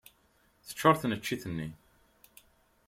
Teččuṛ tneččit-nni.